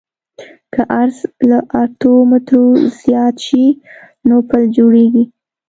که عرض له اتو مترو زیات شي نو پل جوړیږي